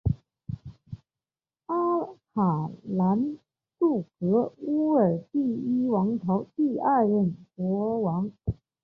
阿卡兰杜格乌尔第一王朝第二任国王。